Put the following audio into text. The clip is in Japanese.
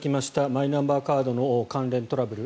マイナンバーカードの関連トラブル